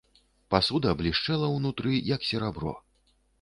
Пасуда блішчэла ўнутры, як серабро.